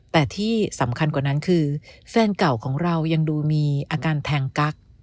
แต่ที่สำคัญกว่านั้นคือแฟนเก่าของเรายังดูมีอาการแทงกั๊ก